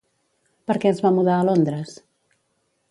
Per què es va mudar a Londres?